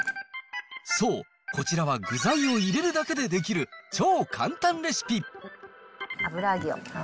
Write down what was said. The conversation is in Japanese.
そう、こちらは具材を入れるだけで出来る、超簡単レシピ。